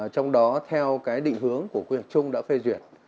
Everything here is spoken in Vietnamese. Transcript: trong đó theo cái định hướng của quy hoạch chung đã phê duyệt